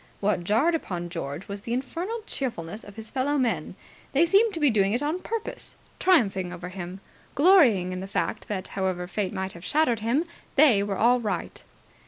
What jarred upon George was the infernal cheerfulness of his fellow men. They seemed to be doing it on purpose triumphing over him glorying in the fact that, however Fate might have shattered him, they were all right.